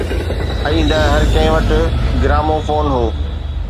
۽ نه هر ڪنهن وٽ گراموفون هو.